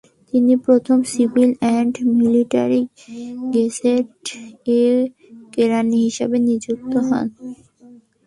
তিনি প্রথম civil and military gazette এ কেরানি হিসাবে নিযুক্ত হন।